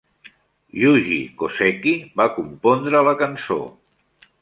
Yuji Koseki va compondre la cançó.